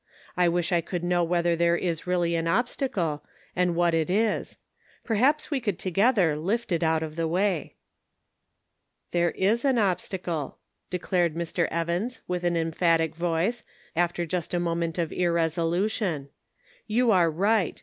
I wish I could know whether there is really an obstacle, and what it is. Perhaps we could together lift it out of the way." "There is an obstacle," declared Mr. Evans in an emphatic voice, after just a moment of irresolution ;" you are right